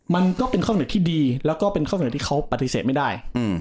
มันก็เป็นข้อหนึ่งที่ดีแล้วก็เป็นข้อเสนอที่เขาปฏิเสธไม่ได้